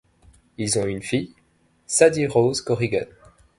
Ils ont une fille, Sadie Rose Corrigan.